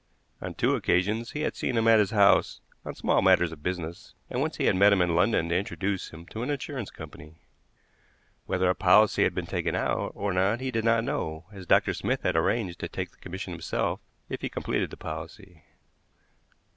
On two occasions he had seen him at his house on small matters of business, and once he had met him in London to introduce him to an insurance company. Whether a policy had been taken out or not he did not know, as Dr. Smith had arranged to take the commission himself if he completed the policy.